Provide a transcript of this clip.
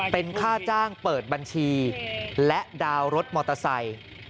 เป็นค่าจ้างเปิดบัญชีและดาวน์รถมอเตอร์ไซค์